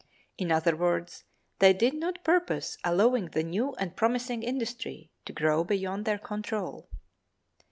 In other words, they did not purpose allowing the new and promising industry to grow beyond their control.